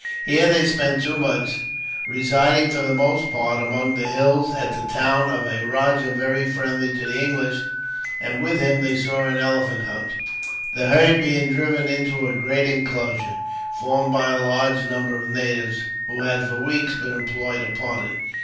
Here they spent two months, residing for the most part among the hills, at the town of a rajah very friendly to the English; and with him they saw an elephant hunt, the herd being driven into a great inclosure, formed by a large number of natives who had, for weeks, been employed upon it.